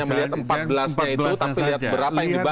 tapi lihat berapa yang dibangun